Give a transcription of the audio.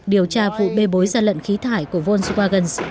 điều tra vụ bề bối giàn lận khí thải của volkswagen